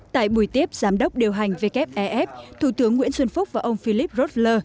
tại buổi tiếp giám đốc điều hành wff thủ tướng nguyễn xuân phúc và ông philip roller